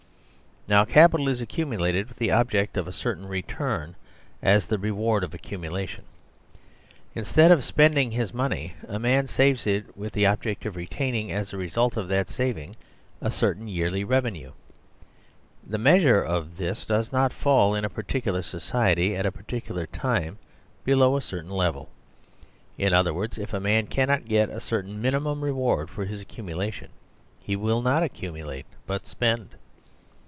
Now capital is accumulated with the object of a certain return as the reward of accumulation. Instead of spend ing his money, a man saves it with the object of retaining as the result of that saving a certain yearly revenue. The measure of this does not fall in a particular society at a particular time below a certain level. In other words, if a man cannot get a certain minimum reward for his ac cumulation, he will not accumulate but spend.